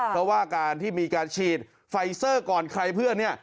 เพราะว่าการที่มีการฉีดไฟเซอร์ก่อนใครเพื่อนเนี่ย